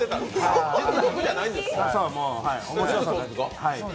実力じゃないんですか。